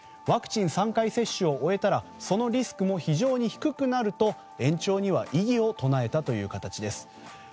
ワクチン３回接種を終えたらそのリスクも非常に低くなると延長には異議を唱えたという形です。